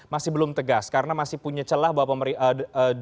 masih belum tegas karena masih punya celah bahwa pemerintah